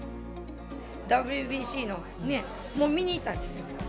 ＷＢＣのね、見に行ったんですよ。